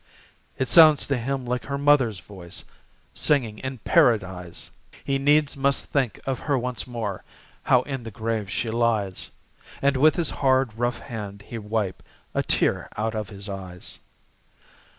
It sounds to him like her mother's voice, Singing in Paradise! He needs must think of her once more, How in the grave she lies; And with his hard, rough hand he wipe A tear out of his eyes.